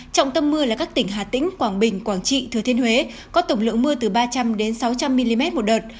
trọng tâm mưa là các tỉnh hà tĩnh quảng bình quảng trị thừa thiên huế có tổng lượng mưa từ ba trăm linh sáu trăm linh mm một đợt